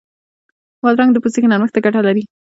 بادرنګ د پوستکي نرمښت ته ګټه لري.